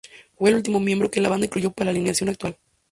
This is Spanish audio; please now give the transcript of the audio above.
Fue el último miembro que la banda incluyó para la alineación actual.